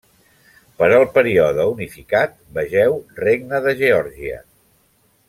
Per al període unificat vegeu regne de Geòrgia.